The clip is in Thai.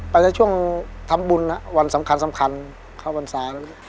ไปในช่วงทำบุญวันสำคัญเข้าวันสาย